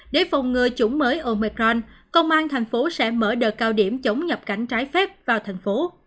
để phòng ngừa chủng mới omicron công an tp hcm sẽ mở đợt cao điểm chống nhập cảnh trái phép vào thành phố